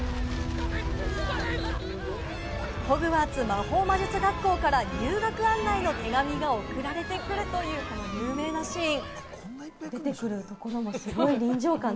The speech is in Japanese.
ホグワーツ魔法魔術学校から入学案内の手紙が送られてくるというこの有名なシーン。